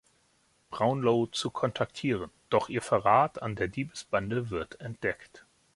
Brownlow zu kontaktieren, doch ihr Verrat an der Diebesbande wird entdeckt.